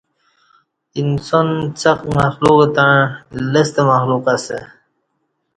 انسان څک مخلوق تݩع لستہ مخلوق اسہ